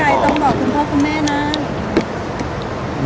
ต้องบอกคุณพ่อคุณแม่นะ